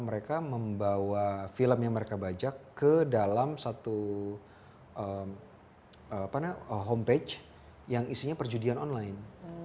mereka membawa film yang mereka bajak ke dalam satu home page yang isinya perjudian online